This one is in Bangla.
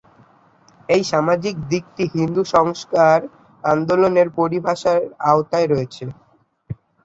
এই সামাজিক দিকটি হিন্দু সংস্কার আন্দোলনের পরিভাষার আওতায় রয়েছে।